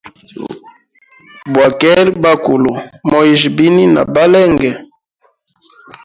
Bwakeli bakulu, moyijya bini nabalenge?